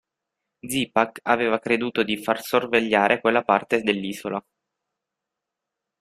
Zipak aveva creduto di far sorvegliare quella parte dell'isola.